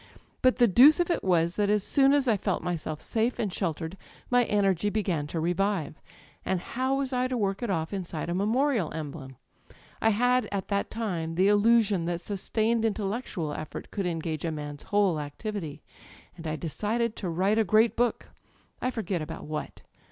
But the deuce of it was that as soon as I felt myself safe and sheltered my energy began to revive; and how was I to work it off inside of ji memorial emblem ? I had, at that time, the illusion that sustained intellectual effort could engage a man's whole activity; and I decided to write a great book â€" I foiget about what.